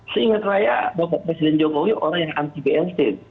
seingat raya bapak presiden jokowi orang yang anti bensin